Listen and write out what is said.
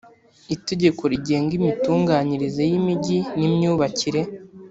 itegeko rigenga imitunganyirize y imijyi n imyubakire